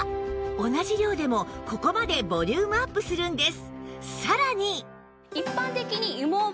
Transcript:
同じ量でもここまでボリュームアップするんです